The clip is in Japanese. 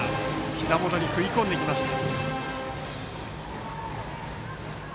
ひざ元に食い込んできました。